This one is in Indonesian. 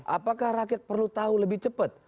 apakah rakyat perlu tahu lebih cepat